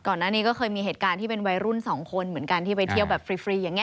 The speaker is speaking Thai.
ก่อนหน้านี้ก็เคยมีเหตุการณ์ที่เป็นวัยรุ่นสองคนเหมือนกันที่ไปเที่ยวแบบฟรีอย่างนี้